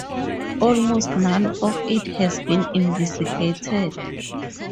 Almost none of it has been investigated.